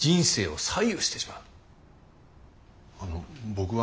あの僕は。